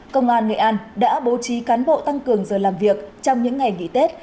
công an nghệ an đã bố trí cán bộ tăng cường giờ làm việc trong những ngày nghỉ tết